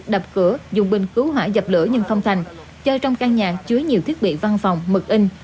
đập cửa dùng bình cứu hỏa dập lửa nhưng không thành chơi trong căn nhà chứa nhiều thiết bị văn phòng mực in